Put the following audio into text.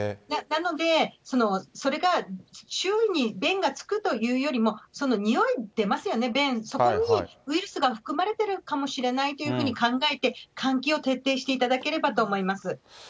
なので、それが周囲に便が付くというよりも、臭い出ますよね、便、そこにウイルスが含まれているかもしれないというふうに考えて、換気を徹底していただければと思います。